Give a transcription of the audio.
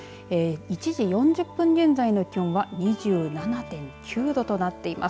１時４０分現在の気温は２７．９度となっています。